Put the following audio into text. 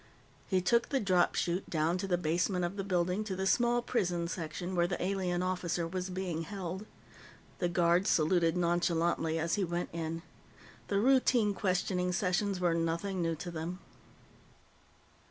He took the dropchute down to the basement of the building, to the small prison section where the alien officer was being held. The guards saluted nonchalantly as he went in. The routine questioning sessions were nothing new to them.